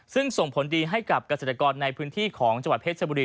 ซึ่งส่งผลดีให้กับเกษตรกรในพื้นที่ของจังหวัดเพชรชบุรี